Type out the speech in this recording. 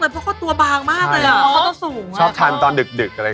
โอ๊ยพี่กาวชอบทะเลมากเลย